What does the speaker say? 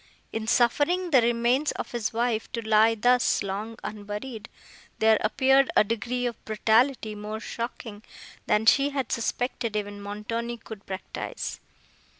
In suffering the remains of his wife to lie thus long unburied, there appeared a degree of brutality more shocking than she had suspected even Montoni could practise.